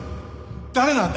誰なんだ？